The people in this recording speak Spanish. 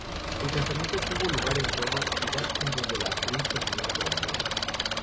El casamiento tuvo lugar en Roma, ciudad en donde la actriz continúa trabajando.